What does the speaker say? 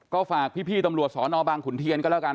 ก็ฝากพี่ตำรวจสอนอบางขุนเทียนก็แล้วกัน